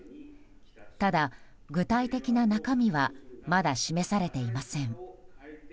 ただ、具体的な中身はまだ示されていません。